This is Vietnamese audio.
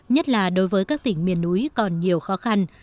nhất là đối với các tỉnh miền núi còn nhiều khó khăn